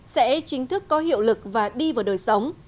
sẽ chính thức có hiệu lực và đi vào đời sống